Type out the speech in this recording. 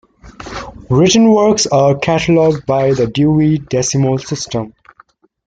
Written works are catalogued by the Dewey Decimal System.